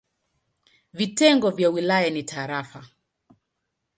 Vitengo vya wilaya ni tarafa.